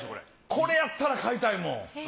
これやったら買いたいもん。